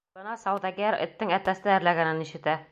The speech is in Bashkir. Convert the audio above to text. Бына сауҙагәр эттең әтәсте әрләгәнен ишетә: